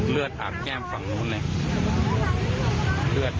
เลือดอาบแก้มฝั่งนู้นเลย